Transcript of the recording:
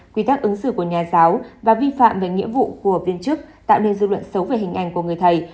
quy tắc ứng xử của nhà giáo và vi phạm về nghĩa vụ của viên chức tạo nên dư luận xấu về hình ảnh của người thầy